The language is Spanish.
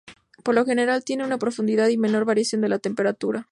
Por lo general, tienen poca profundidad y menor variación de la temperatura.